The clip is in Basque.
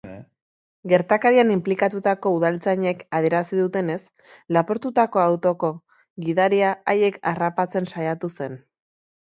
Gertakarian inplikatutako udaltzainek adierazi dutenez, lapurtutako autoko gidaria haiek harrapatzen saiatu zen.